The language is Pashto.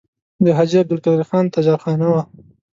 د حاجي عبدالقدیر خان تجارتخانه وه.